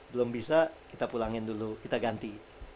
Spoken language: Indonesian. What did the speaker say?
belum bisa kita pulangin dulu kita ganti